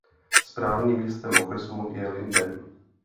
Správním městem okresu je Linden.